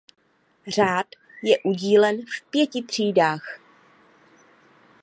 Řád je udílen v pěti třídách.